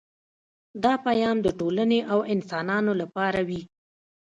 دا پیام د ټولنې او انسانانو لپاره وي